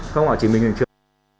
câu hỏi chính mình ngay trước